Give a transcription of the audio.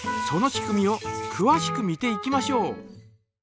その仕組みをくわしく見ていきましょう。